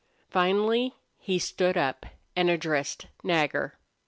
Finally he stood up and addressed Nagger.